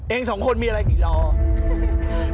เองสองคนมีอะไรกี่ละออม